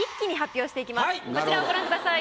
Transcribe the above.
こちらをご覧ください。